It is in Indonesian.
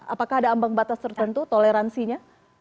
apakah ada ambang batas tertentu toleransinya